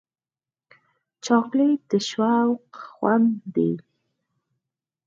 چاکلېټ د شوق خوند دی.